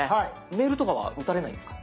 メールとかは打たれないんですか？